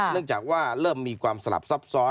จากว่าเริ่มมีความสลับซับซ้อน